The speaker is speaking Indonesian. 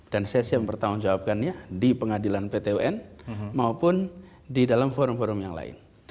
dan saya siap mempertahankan jawabannya di pengadilan pt un maupun di dalam forum forum yang lain